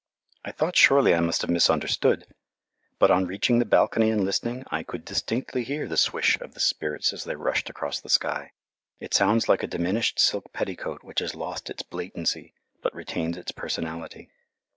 I thought surely I must have misunderstood, but on reaching the balcony and listening, I could distinctly hear the swish of the "spirits" as they rushed across the sky. It sounds like a diminished silk petticoat which has lost its blatancy, but retains its personality.